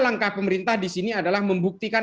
langkah pemerintah di sini adalah membuktikan